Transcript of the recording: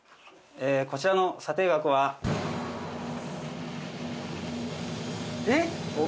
こちらの査定額は。え！